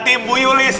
tim bu yulis